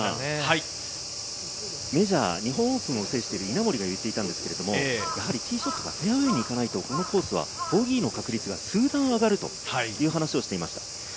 メジャー、日本オープンを制している稲森が言っていたんですけど、ティーショットがフェアウエーに行かないとボギーの確率が数段上がるという話をしていました。